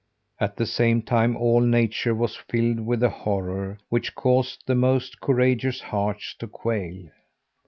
At the same time all nature was filled with a horror which caused the most courageous hearts to quail.